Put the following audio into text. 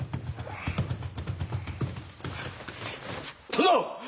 殿！